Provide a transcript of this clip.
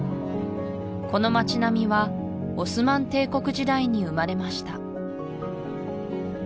この街並みはオスマン帝国時代に生まれました